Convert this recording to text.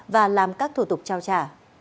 và làm các thủ tục trao trả